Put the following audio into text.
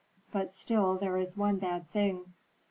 "But still there is one bad thing.